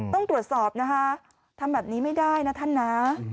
ต้องตรวจสอบนะคะทำแบบนี้ไม่ได้นะท่านนะ